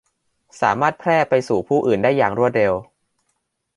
สามารถแพร่ไปสู่ผู้อื่นได้อย่างรวดเร็ว